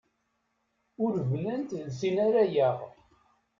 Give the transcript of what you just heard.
Ur bnant d tin ara yaɣ.